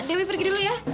bu dewi pergi dulu ya